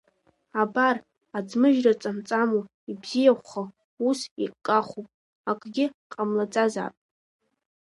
Абар, аӡмыжьра ҵамҵамуа, ибзиахәха ус иҟахуп, акгьы ҟамлаӡазаап…